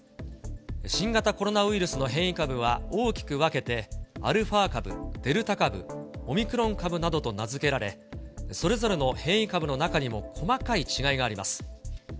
新型コロナウイルスの変異株は大きく分けて、アルファ株、デルタ株、オミクロン株などと名付けられ、それぞれの変異株の中にも、細かい違いがあります。